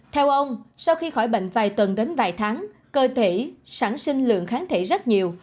theo ông sau khi khỏi bệnh vài tuần đến vài tháng cơ thể sản sinh lượng kháng thể rất nhiều